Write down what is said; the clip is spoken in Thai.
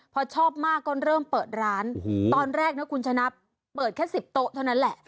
พอชอบมากก็เริ่มเปิดร้านตอนแรกนะคุณชนะเปิดแค่๑๐โต๊ะเท่านั้นแหละ